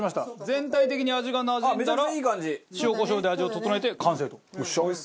全体的に味がなじんだら塩コショウで味を調えて完成と。